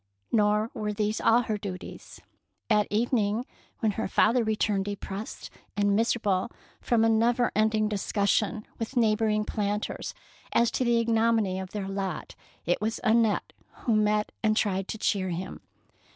Nor were these all her duties. At evening, when her father re turned depressed and miserable from a never ending discussion with neighbour ing planters as to the ignominy of their lot, it was Annette who met and tried to cheer him.